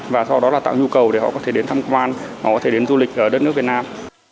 và sau đó là tạo nhu cầu để họ có thể đến thăm quan họ có thể đến du lịch ở đất nước việt nam